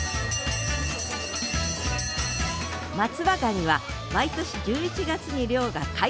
松葉ガニは毎年１１月に漁が解禁。